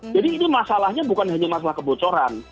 jadi ini masalahnya bukan hanya masalah kebocoran